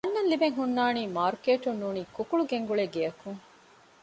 ގަންނަން ލިބެން ހުންނާނީ މާރުކޭޓުން ނޫނީ ކުކުޅު ގެންގުޅޭ ގެއަކުން